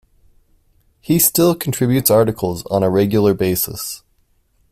He still contributes articles on a regular basis.